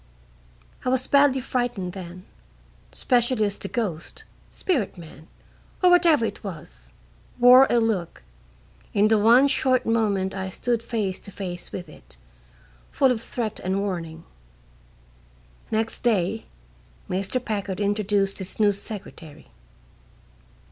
I was badly frightened then, especially as the ghost, spirit man, or whatever it was, wore a look, in the one short moment I stood face to face with it, full of threat and warning. Next day Mr. Packard introduced his new secretary.